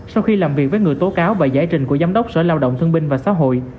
sau khi làm việc với người tố cáo và giải trình của giám đốc sở lao động thương binh và xã hội